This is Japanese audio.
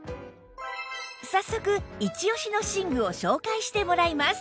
早速イチオシの寝具を紹介してもらいます